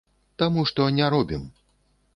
Таму што не робім.